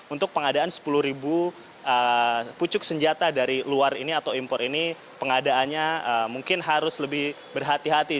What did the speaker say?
untuk pengadaan sepuluh pucuk senjata dari luar ini atau impor ini pengadaannya mungkin harus lebih berhati hati